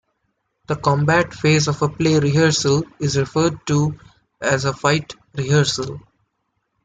The combat phase of a play rehearsal is referred to as a "fight rehearsal".